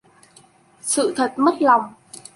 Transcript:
Sự thật mất lòng